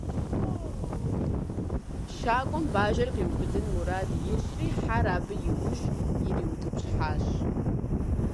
Щакӏуэм бажэр къиубыдын мурад ищӏри, хьэр абы и ужь ириутӏыпщхьащ.